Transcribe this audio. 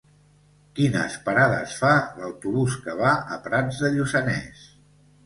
Quines parades fa l'autobús que va a Prats de Lluçanès?